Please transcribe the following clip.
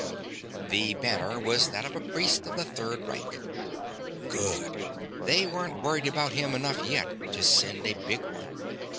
The banner was that of a priest of the third rank. Good they weren't worried enough about him yet, then, to send a big one.